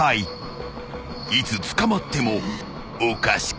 ［いつ捕まってもおかしくない］